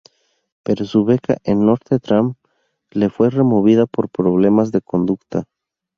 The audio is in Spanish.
Pero su beca en Notre Dame le fue removida por problemas de conducta.